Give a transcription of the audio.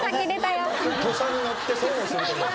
土佐に乗って損をするという。